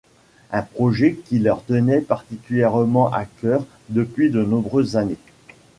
Un projet qui leur tenaient particulièrement à cœur depuis le nombreuses années.